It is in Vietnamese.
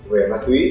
về ma túy